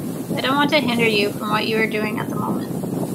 I don't want to hinder you from what you are doing at the moment.